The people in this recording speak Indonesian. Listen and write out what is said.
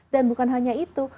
dan bukan hanya itu